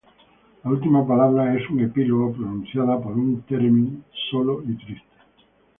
La última palabra es un "Epílogo" pronunciada por un Theremin...solo y triste.